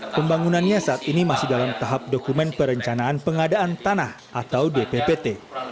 pembangunannya saat ini masih dalam tahap dokumen perencanaan pengadaan tanah atau dppt